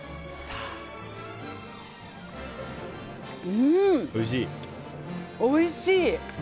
うん、おいしい！